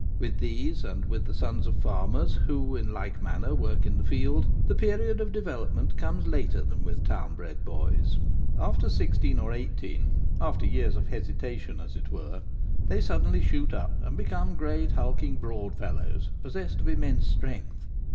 With these, and with the sons of farmers who in like manner work in the field, the period of development comes later than with town bred boys. After sixteen or eighteen, after years of hesitation as it were, they suddenly shoot up, and become great, hulking, broad fellows, possessed of immense strength.